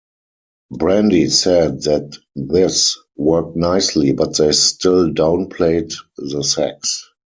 Brandy said that this "worked nicely", but they still "downplayed the sex".